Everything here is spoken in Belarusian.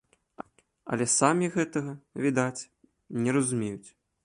Але самі гэтага, відаць, не разумеюць.